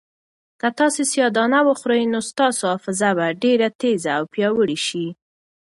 که تاسي سیاه دانه وخورئ نو ستاسو حافظه به ډېره تېزه او پیاوړې شي.